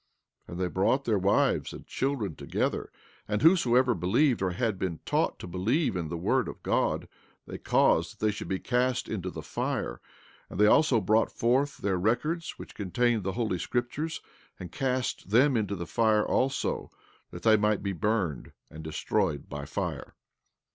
14:8 And they brought their wives and children together, and whosoever believed or had been taught to believe in the word of God they caused that they should be cast into the fire, and they also brought forth their records which contained the holy scriptures, and cast them into the fire also, that they might be burned and destroyed by fire.